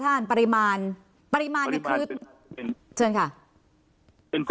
ท่านปริมาณปริมาณไหนเชิญงานอลรอบที่จะ